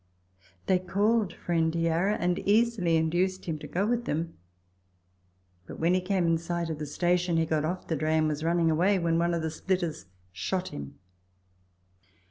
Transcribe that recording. They called friend Yarra, and easily induced him to go with them, but when he came in sight of the station he got off the dray and was running away, when one of the splitters shot him.